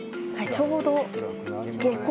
ちょうど。